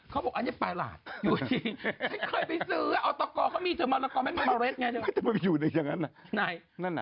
เขาบอกอันนี้ประหลาดอยู่จริงฉันเคยไปซื้อออตกเขามีเถอะมะละกอไม่มาเมล็ดไง